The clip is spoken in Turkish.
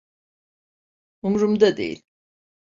Umrumda değil.